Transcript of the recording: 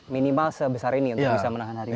minimal sebesar ini untuk bisa menahan harimau